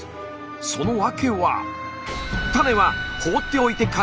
その訳は。